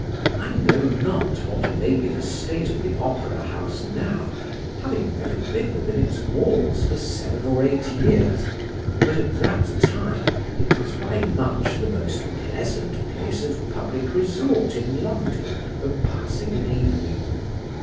I know not what may be the state of the Opera house now, having never been within its walls for seven or eight years, but at that time it was by much the most pleasant place of public resort in London for passing an evening.